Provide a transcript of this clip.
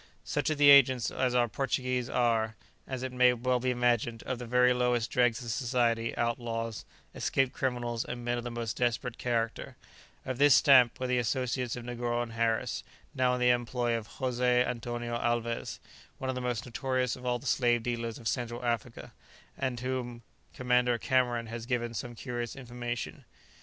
Such of the agents as are Portuguese are (as it may well be imagined) of the very lowest dregs of society, outlaws, escaped criminals, and men of the most desperate character; of this stamp were the associates of Negoro and Harris, now in the employ of José Antonio Alvez, one of the most notorious of all the slave dealers of Central Africa, and of whom Commander Cameron has given some curious information.